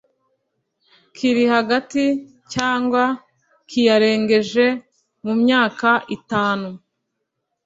Kiri Hagati Cyangwa Kiyarengeje Mu Myaka itanu